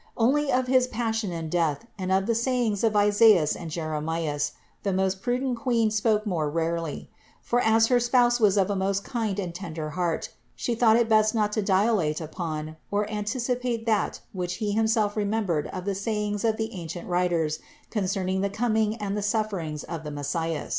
Only of his Passion and Death, and of the 353 354 CITY OF GOD sayings of Isaias and Jeremias, the most prudent Queen spoke more rarely; for as her spouse was of a most kind and tender heart, She thought it best not to dilate upon or anticipate that which he himself remembered of the sayings of the ancient writers concerning the coming and the sufferings of the Messiah.